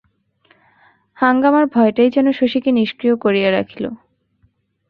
হাঙ্গামার ভয়টাই যেন শশীকে নিক্রিয় করিয়া রাখিল।